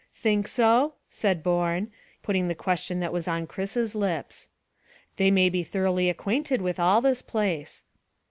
"Think so?" said Bourne, putting the question that was on Chris's lips. "They may be thoroughly acquainted with all this place."